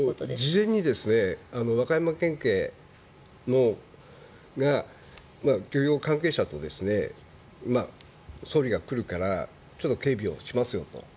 事前に和歌山県警が漁業関係者と総理が来るから警備をしますよと。